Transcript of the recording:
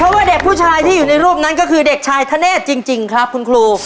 เพราะว่าเด็กผู้ชายที่อยู่ในรูปนั้นก็คือเด็กชายธเนธจริงครับคุณครู